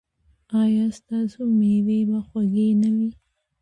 ایا ستاسو میوې به خوږې نه وي؟